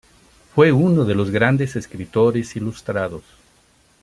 Fue uno de los grandes escritores ilustrados.